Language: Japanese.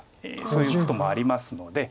そういうこともありますので。